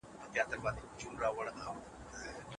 ولي ښوونکي برېښنايي وسایل کاروي؟